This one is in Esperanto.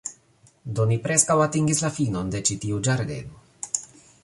Do, ni preskaŭ atingis la finon de ĉi tiu ĝardeno